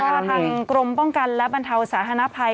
ก็ทางกรมป้องกันและบันเท่าสถานะภัย